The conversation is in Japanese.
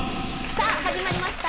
さあ始まりました